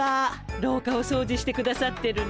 廊下をそうじしてくださってるの？